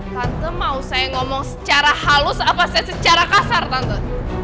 tante mau saya ngomong secara halus apa saya secara kasar tante